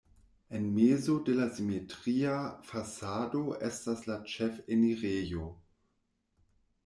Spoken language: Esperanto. En mezo de la simetria fasado estas la ĉefenirejo.